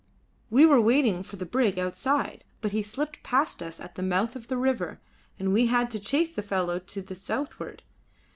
"We were waiting for the brig outside, but he slipped past us at the mouth of the river, and we had to chase the fellow to the southward.